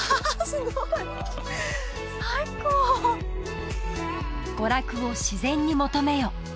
すごい最高「娯楽を自然に求めよ」